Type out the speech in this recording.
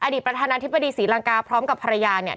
ประธานาธิบดีศรีลังกาพร้อมกับภรรยาเนี่ย